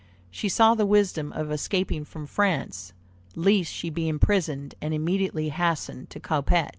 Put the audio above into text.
She saw the wisdom of escaping from France, lest she be imprisoned, and immediately hastened to Coppet.